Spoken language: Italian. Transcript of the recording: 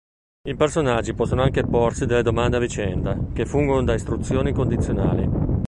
I personaggi possono anche porsi delle domande a vicenda, che fungono da istruzioni condizionali.